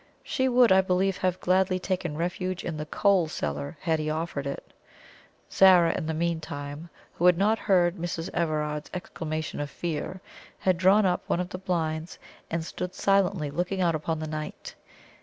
She would, I believe, have gladly taken refuge in the coal cellar had he offered it. Zara, in the meantime, who had not heard Mrs. Everard's exclamation of fear, had drawn up one of the blinds, and stood silently looking out upon the night.